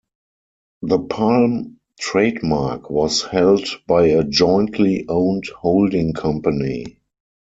The Palm trademark was held by a jointly owned holding company.